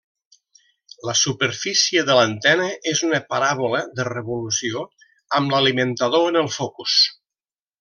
La superfície de l'antena és una paràbola de revolució amb l'alimentador en el focus.